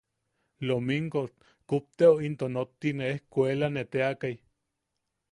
Lominkok kupteo into nottine ejkuelane teakai.